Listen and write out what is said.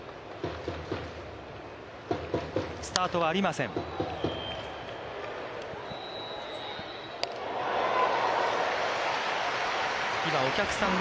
スタートはありません。